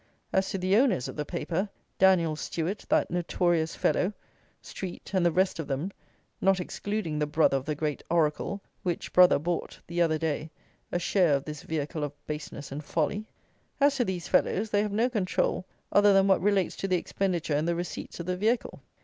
As to the owners of the paper, Daniel Stewart, that notorious fellow, Street, and the rest of them, not excluding the brother of the great Oracle, which brother bought, the other day, a share of this vehicle of baseness and folly; as to these fellows, they have no control other than what relates to the expenditure and the receipts of the vehicle.